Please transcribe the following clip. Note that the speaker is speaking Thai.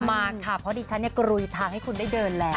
มาค่ะเพราะดิฉันกรุยทางให้คุณได้เดินแล้ว